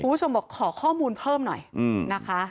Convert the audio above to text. คุณผู้ชมบอกขอข้อมูลเพิ่มหน่อยนะคะ